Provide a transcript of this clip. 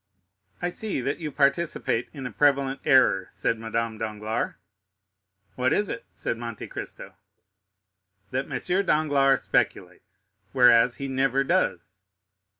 "I see that you participate in a prevalent error," said Madame Danglars. "What is it?" said Monte Cristo. "That M. Danglars speculates, whereas he never does."